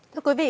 thưa quý vị